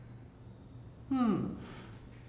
うん。